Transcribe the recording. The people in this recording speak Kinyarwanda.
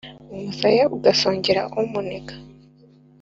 umusaya ugasongera umu nega.